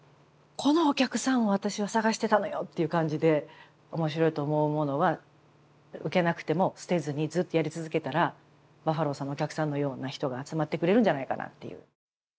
このお客さんを私は探してたのよっていう感じで面白いと思うものは受けなくても捨てずにずっとやり続けたらバッファローさんのお客さんのような人が集まってくれるんじゃないかなっていう。